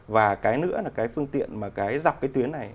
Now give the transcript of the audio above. và cái nữa là cái phương tiện mà cái dọc cái tuyến này